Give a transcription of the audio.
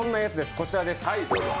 こちらです。